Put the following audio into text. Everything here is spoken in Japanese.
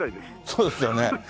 そうですよね。